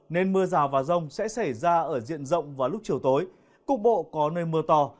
nên mưa rào và rông sẽ xảy ra ở diện rộng vào lúc chiều tối cục bộ có nơi mưa to